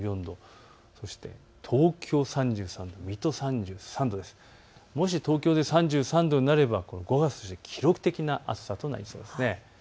そして東京３３度、もし東京で３３度になれば５月で記録的な暑さとなりそうです。